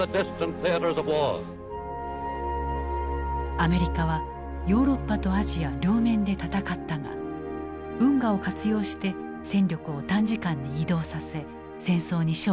アメリカはヨーロッパとアジア両面で戦ったが運河を活用して戦力を短時間に移動させ戦争に勝利した。